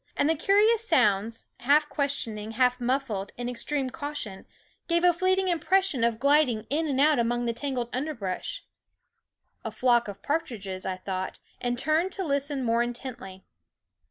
And the curious sounds, half questioning, half muffled in extreme caution, gave a fleeting impres sion of gliding in and out among the tan gled underbrush. " A flock of partridges," I thought, and turned to listen more intently.